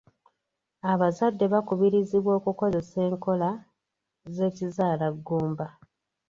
Abazadde bakubirizibwa okukozesa enkola z'ekizaalaggumba.